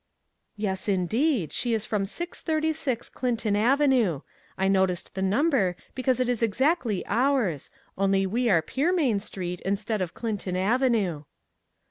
" Yes, indeed ; she is from 636 Clinton ave nue. I noticed the number because it is exactly ours, only we are Pearmain street instead of Clinton avenue."